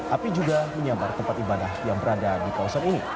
api juga menyambar tempat ibadah yang berada di kawasan ini